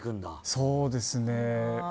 そうですね。